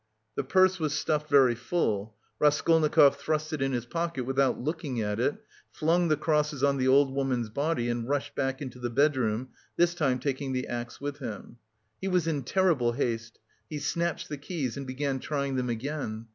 The purse was stuffed very full; Raskolnikov thrust it in his pocket without looking at it, flung the crosses on the old woman's body and rushed back into the bedroom, this time taking the axe with him. He was in terrible haste, he snatched the keys, and began trying them again.